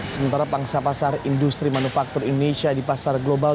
sementara pangsa pasar industri manufaktur indonesia di pasar global